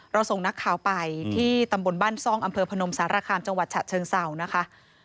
ส่งนักข่าวไปที่ตำบลบ้านซ่องอำเภอพนมสารคามจังหวัดฉะเชิงเศร้านะคะ